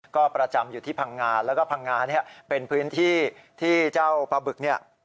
ก็ประจำอยู่ที่พังงาแล้วก็พังงาเนี่ยเป็นพื้นที่ที่เจ้าปลาบึกเนี่ย